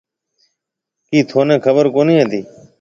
ڪِي ٿنَي خبر ڪونھيَََ ھتِي۔